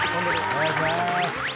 お願いしまーす。